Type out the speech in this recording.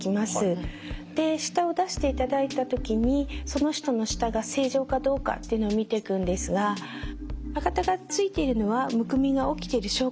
で舌を出していただいた時にその人の舌が正常かどうかっていうのを見ていくんですが歯形がついているのはむくみが起きてる証拠なんです。